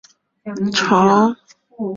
费翔引发了观众怀旧热潮。